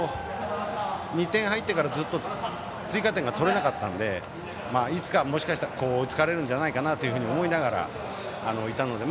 ２点入ってからずっと追加点が取れなかったのでいつかはもしかしたら追いつかれるんじゃないかなと思いながらいたので。